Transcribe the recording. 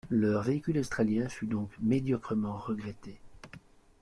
Leur véhicule australien fut donc médiocrement regretté.